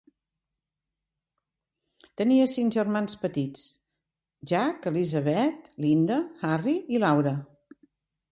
Tenia cinc germans petits; Jack, Elizabeth, Linda, Harry i Laura.